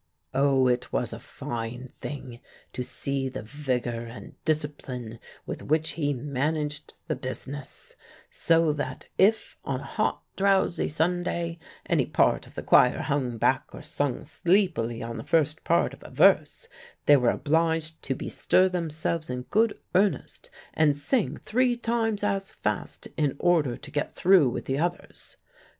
O, it was a fine thing to see the vigor and discipline with which he managed the business; so that if, on a hot, drowsy Sunday, any part of the choir hung back or sung sleepily on the first part of a verse, they were obliged to bestir themselves in good earnest, and sing three times as fast, in order to get through with the others.